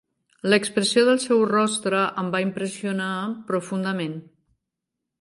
L'expressió del seu rostre em va impressionar profundament